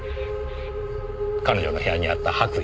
彼女の部屋にあった白衣。